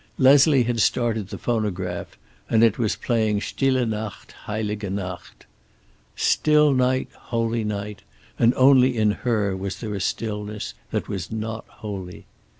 Leslie had started the phonograph, and it was playing "Stille Nacht, heilige Nacht." Still night, holy night, and only in her was there a stillness that was not holy.